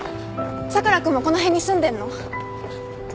佐倉君もこの辺に住んでんの？